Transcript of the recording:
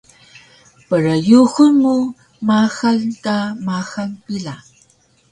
Pryuxun mu maxal ka maxal pila